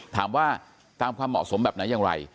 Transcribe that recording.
ถามว่าตามความเหมาะสมแบบไหนอย่างไร